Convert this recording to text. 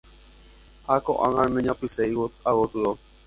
ha ko'ág̃a naiñapysẽi ágotyo.